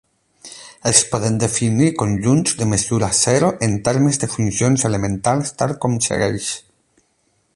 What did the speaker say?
Es poden definir conjunts de mesura zero en termes de funcions elementals tal com segueix.